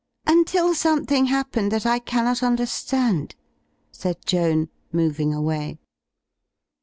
"Until something happened that I cannot understand," said Joan, moving away.